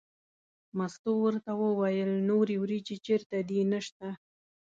مستو ورته وویل نورې وریجې چېرته دي نشته.